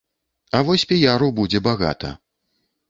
А вось піяру будзе багата.